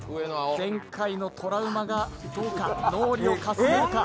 前回のトラウマがどうか脳裏をかすむか？